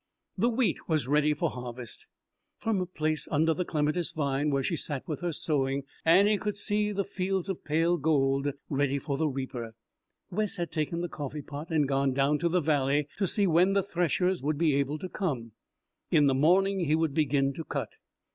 The wheat was ready for harvest. From her place under the clematis vine, where she sat with her sewing, Annie could see the fields of pale gold, ready for the reaper. Wes had taken the coffeepot and gone down to the valley to see when the threshers would be able to come. In the morning he would begin to cut.